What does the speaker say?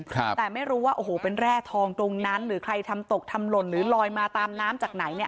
ครับแต่ไม่รู้ว่าโอ้โหเป็นแร่ทองตรงนั้นหรือใครทำตกทำหล่นหรือลอยมาตามน้ำจากไหนเนี่ย